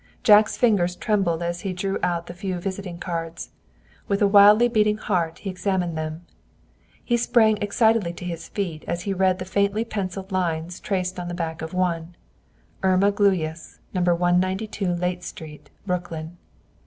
Jack's fingers trembled as he drew out the few visiting cards. With a wildly beating heart he examined them. He sprang excitedly to his feet as he read the faintly pencilled lines traced on the back of one, "Irma Gluyas, No. 192 Layte Street, Brooklyn."